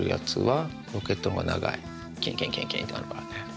キンキンキンキンってなるからね。